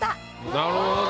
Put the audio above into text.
なるほど。